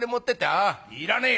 「ああいらねえよ」。